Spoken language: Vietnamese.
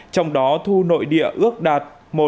trong đó thu nội địa ước đạt một hai triệu tỷ đồng